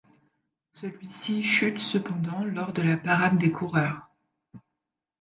Celui-ci chute cependant lors de la parade des coureurs.